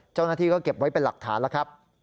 เจ้าหน้าที่ก็เก็บไว้เป็นหลักฐานแล้วครับ